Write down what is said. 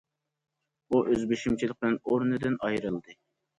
ئۇ ئۆز بېشىمچىلىق بىلەن ئورنىدىن ئايرىلدى.